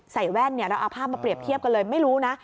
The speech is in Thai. แว่นเนี่ยเราเอาภาพมาเรียบเทียบกันเลยไม่รู้นะ